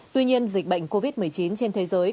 tuy nhiên dịch bệnh covid một mươi chín trên thế giới